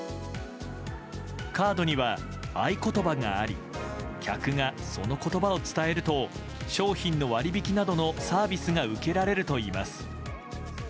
カードには合い言葉があり客が、その言葉を伝えると商品の割り引きなどのサービスが受けられるといいます。